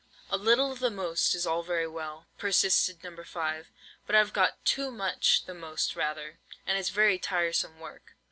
"A little the most is all very well," persisted No. 5; "but I've got too much the most rather—and it's very tiresome work."